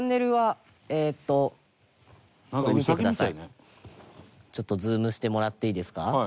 隆貴君：ちょっとズームしてもらっていいですか？